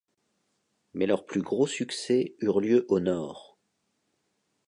Mais leurs plus gros succès eurent lieu au Nord.